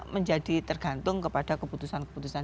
menjadi tergantung kepada keputusan keputusan